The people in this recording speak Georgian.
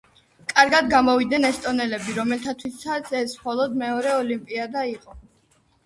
კარგად გამოვიდნენ ესტონელები, რომელთათვისაც ეს მხოლოდ მეორე ოლიმპიადა იყო.